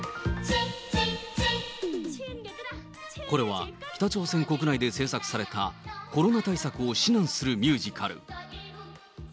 これは北朝鮮国内で制作された、コロナ対策を指南するミュージカル。